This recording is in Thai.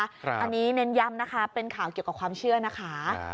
อันนี้เน้นย้ำนะคะเป็นข่าวเกี่ยวกับความเชื่อนะคะ